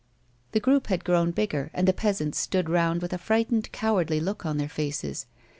The group had grown bigger, and the peasants stood round with a frightened, cowardly look on their faces.